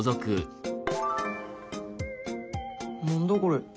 何だこれ？